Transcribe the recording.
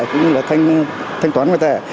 cũng như là thanh toán ngoại tệ